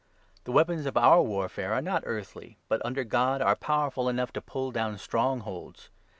The weapons for our warfare are not 4 earthly, but, under God, are powerful enough to pull down strongholds.